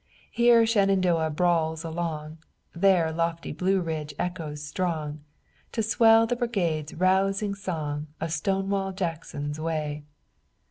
Here Shenandoah brawls along, There lofty Blue Ridge echoes strong To swell the brigade's rousing song Of Stonewall Jackson's way."